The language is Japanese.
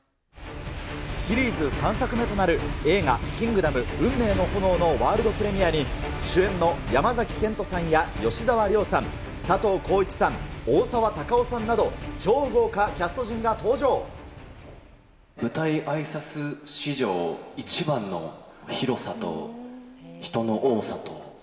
シリーズ３作目となる映画、キングダム運命の炎のワールドプレミアに、主演の山崎賢人さんや吉沢亮さん、佐藤浩市さん、大沢たかおさんなど、超豪華キャ舞台あいさつ史上、一番の広さと人の多さと。